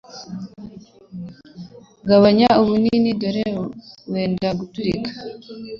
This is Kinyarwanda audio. Gabanya ubunini dore wenda guturika